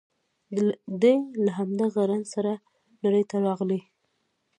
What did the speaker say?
دی له همدغه رنځ سره نړۍ ته راغلی